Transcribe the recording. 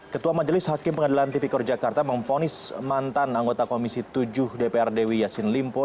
ketua majelis hakim pengadilan tipikor jakarta memfonis mantan anggota komisi tujuh dpr dewi yassin limpo